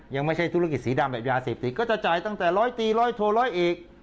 ยังไม่ใช่ธุรกิจสีดำแบบยาเสพติดก็จะจ่ายตั้งแต่ร้อยตีร้อยโทร้อยเอก